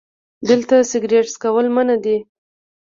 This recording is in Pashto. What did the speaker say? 🚭 دلته سګرټ څکل منع دي